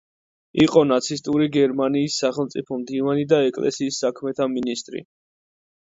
იყო ნაცისტური გერმანიის სახელმწიფო მდივანი და ეკლესიის საქმეთა მინისტრი.